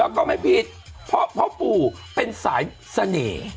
แล้วก็ไม่ผิดเพราะพ่อปู่เป็นสายเสน่ห์